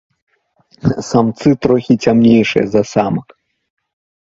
Самцы трохі цямнейшыя за самак.